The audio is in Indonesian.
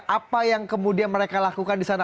apa yang kemudian mereka lakukan di sana